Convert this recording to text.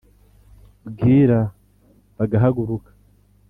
bwirá bagaháguruka